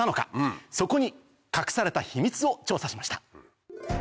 そこに隠された秘密を調査しました。